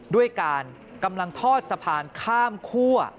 ด้วยการกำลังทอดสะพานข้ามคั่ว